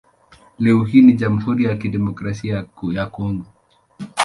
Leo hii ni Jamhuri ya Kidemokrasia ya Kongo.